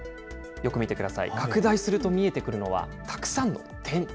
よく見てください、拡大すると見えてくるのは、たくさんの点。